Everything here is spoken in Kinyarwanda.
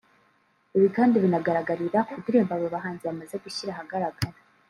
Ibi kandi binagaragarira ku ndirimbo aba bahanzi bamaze gushyira ahagaragara